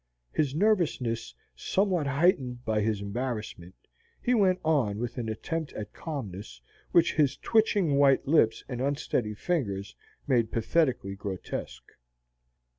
His nervousness somewhat heightened by his embarrassment, he went on with an attempt at calmness which his twitching white lips and unsteady fingers made pathetically grotesque.